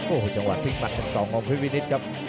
โอ้โหจังหวัดที่คลัดเป็น๒ของพิวินิศครับ